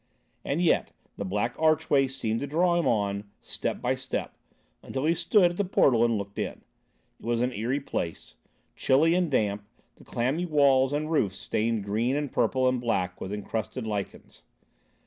And yet, the black archway seemed to draw him on, step by step, until he stood at the portal and looked in. It was an eerie place, chilly and damp, the clammy walls and roof stained green and purple and black with encrusting lichens.